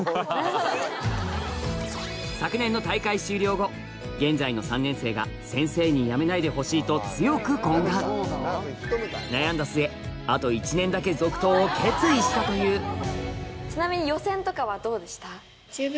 昨年の大会終了後現在の３年生が先生に辞めないでほしいと強く懇願悩んだ末を決意したというちなみに。